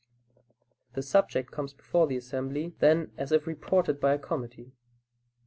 The subject comes before the assembly then as if reported by a committee.